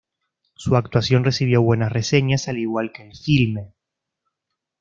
Su actuación recibió buenas reseñas, al igual que el filme.